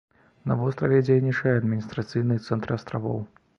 На востраве дзейнічае адміністрацыйны цэнтр астравоў.